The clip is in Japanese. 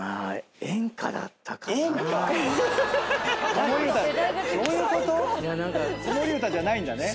子守唄じゃないんだね。